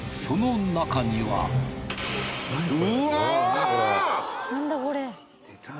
その中にはうわ！